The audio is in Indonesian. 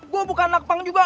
gue bukan anak pang juga